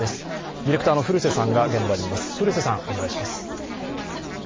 ディレクターの古瀬さんが現場にいます。